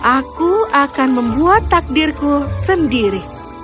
aku akan membuat takdirku sendiri